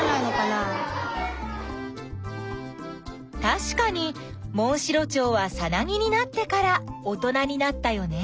たしかにモンシロチョウはさなぎになってから大人になったよね。